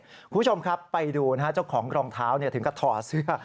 คุณผู้ชมครับไปดูนะฮะเจ้าของรองเท้าถึงก็ถอดเสื้อ